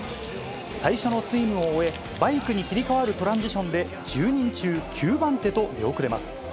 最初のスイムを終え、バイクに切り替わるトランジションで、１０人中９番手と出遅れます。